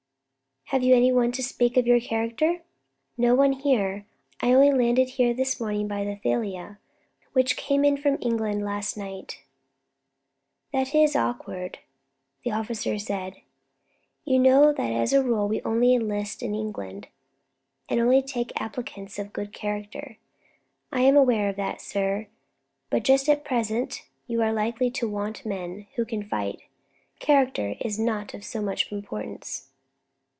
"Have you any one to speak to your character?" "No one here. I only landed this morning by the Thalia, which came in from England last night." "That is awkward," the officer said. "You know that as a rule we only enlist in England, and only take applicants of good character." "I am aware of that, sir; but as just at present you are likely to want men who can fight, character is not of so much importance."